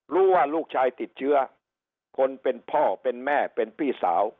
รู้ว่าลูกชายติดเชื้อคนเป็นพ่อเป็นแม่เป็นพี่สาว